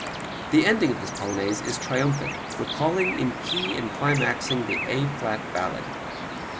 The ending of this Polonaise is triumphant, recalling in key and climaxing the A flat Ballade.